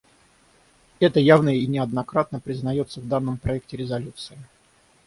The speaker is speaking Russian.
Это явно и неоднократно признается в данном проекте резолюции.